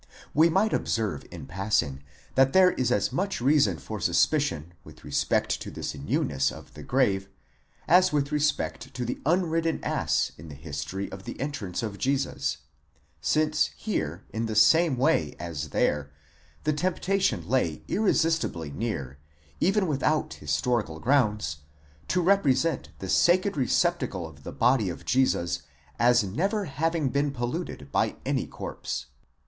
We may observe in passing, that there is as much reason for suspicion with respect to this new ness of the grave, as with respect to the unridden ass in the history of the entrance of Jesus, since here in the same way as there, the temptation lay irresistibly near, even without historical grounds, to represent the sacred re ceptacle of the body of Jesus as never having been polluted by any corpse.